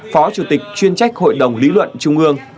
phó chủ tịch chuyên trách hội đồng lý luận trung ương